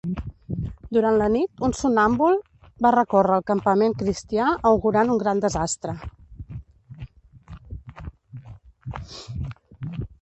Durant la nit un somnàmbul va recórrer el campament cristià augurant un gran desastre.